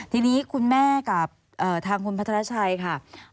ทีนี้คุณแม่กับทางคุณพัทรชัยค่ะ